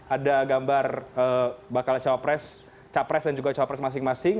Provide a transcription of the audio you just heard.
ada gambar bakal capres dan juga capres masing masing